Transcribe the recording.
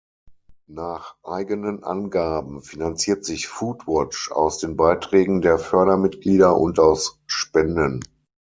Nach eigenen Angaben finanziert sich Foodwatch „aus den Beiträgen der Fördermitglieder und aus Spenden“.